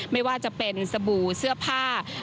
ไม่ว่าจะเป็นสบู่เสื้อผ้า